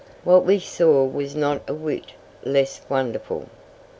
What we saw was not a whit less wonderful.